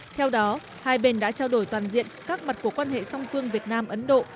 theo đó hai bên đã trao đổi toàn diện các mặt của quan hệ song phương việt nam ấn độ